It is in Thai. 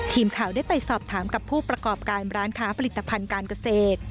ทีมข่าวได้ไปสอบถามกับผู้ประกอบการร้านค้าผลิตภัณฑ์การเกษตร